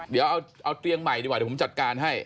เดี๋ยวเอาเตียงใหม่ดีกว่าเดี๋ยวผมจัดการให้